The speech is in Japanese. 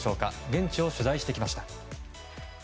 現地を取材してきました。